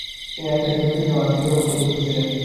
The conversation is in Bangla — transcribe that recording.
তিনি আইন পেশায় যুক্ত ছিলেন ও আর্থিক দূরাবস্থায় পতিত ছিলেন।